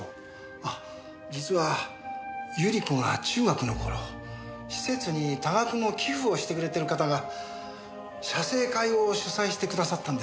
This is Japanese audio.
あ実は百合子が中学の頃施設に多額の寄付をしてくれてる方が写生会を主催してくださったんです。